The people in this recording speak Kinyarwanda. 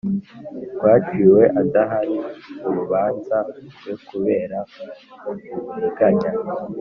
rwaciwe adahari urubanza rwe kubera uburiganya